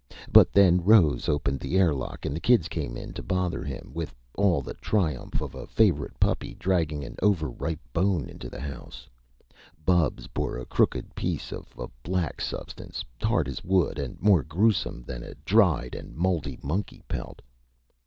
But then Rose opened the airlock, and the kids came in to bother him. With all the triumph of a favorite puppy dragging an over ripe bone into the house, Bubs bore a crooked piece of a black substance, hard as wood and more gruesome than a dried and moldy monkey pelt.